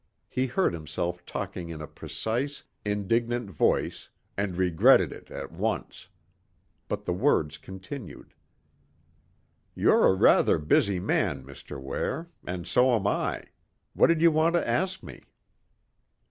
He heard himself talking in a precise, indignant voice and regretted it at once. But the words continued: "You're a rather busy man, Mr. Ware. And so am I. What did you want to ask me?"